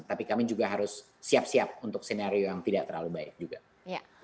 tapi kami juga harus siap siap untuk senario yang tidak terlalu baik juga